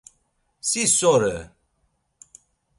Si so re?